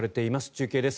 中継です。